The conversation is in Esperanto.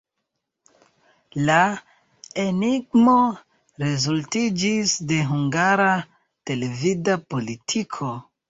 La enigmo rezultiĝis de hungara televida politiko.